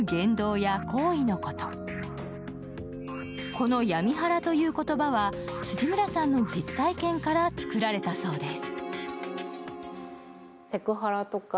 この闇ハラという言葉は辻村さんの実体験から作られたそうです。